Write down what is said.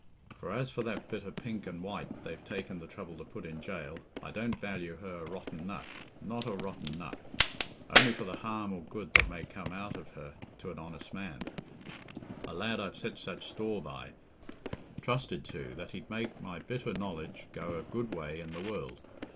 For as for that bit o' pink and white they've taken the trouble to put in jail, I don't value her a rotten nut—not a rotten nut—only for the harm or good that may come out of her to an honest man—a lad I've set such store by—trusted to, that he'd make my bit o' knowledge go a good way in the world....